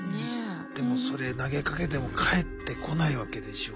でもそれ投げかけても返ってこないわけでしょう。